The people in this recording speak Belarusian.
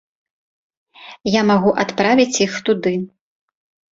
Я магу адправіць іх туды.